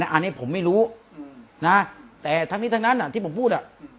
อันนี้ผมไม่รู้นะแต่ทั้งนี้ทั้งนั้นที่ผมพูด